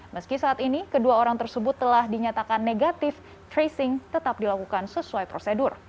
meski saat ini kedua orang tersebut telah dinyatakan negatif tracing tetap dilakukan sesuai prosedur